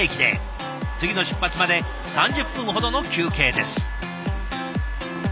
次の出発まで３０分ほどの休憩です。